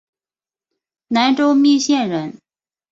南州密县人。